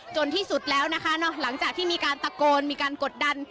ที่สุดแล้วนะคะหลังจากที่มีการตะโกนมีการกดดัน